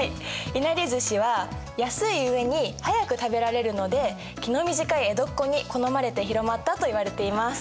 いなりずしは安い上に早く食べられるので気の短い江戸っ子に好まれて広まったといわれています。